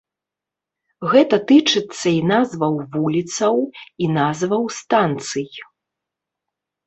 Гэта тычыцца і назваў вуліцаў, і назваў станцый.